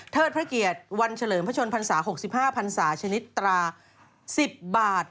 เทิดพระเกียรติวันเฉลิมพระชนผัญศาสตร์๖๕ผัญศาสตร์ชนิดตรา๑๐บาท